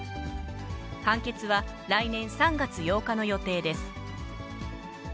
判決は来年３月８日の予定です。